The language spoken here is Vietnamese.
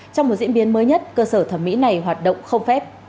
trong một diễn biến mới nhất cơ sở thẩm mỹ này hoạt động không phép